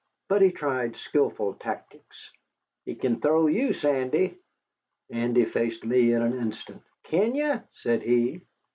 But he tried skilful tactics. "He kin throw you, Sandy." Andy faced me in an instant. "Kin you?" said he.